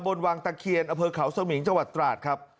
บนวังตะเขียนเก่าสมิงเจ้าหวัดตราสครับ